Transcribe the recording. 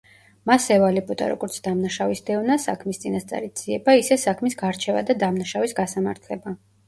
მას ევალებოდა როგორც დამნაშავის დევნა, საქმის წინასწარი ძიება, ისე საქმის გარჩევა და დამნაშავის გასამართლება.